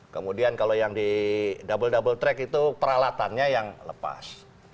kemudian kalau yang di double double track itu peralatannya yang lepas